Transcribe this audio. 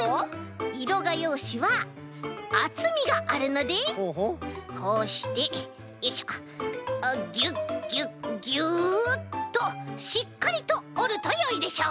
いろがようしはあつみがあるのでこうしてよいしょあっギュッギュッギュッとしっかりとおるとよいでしょう。